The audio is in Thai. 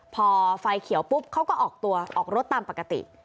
พอไฟเขียวปุ๊บเขาก็ออกตัวออกรถตามปกติ